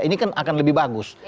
ini akan lebih bagus